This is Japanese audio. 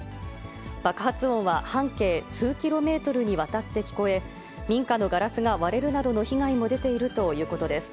爆発音は半径数キロメートルにわたって聞こえ、民家のガラスが割れるなどの被害も出ているということです。